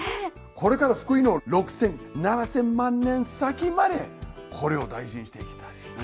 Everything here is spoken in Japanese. これから福井の６，０００７，０００万年先までこれを大事にしていきたいですね。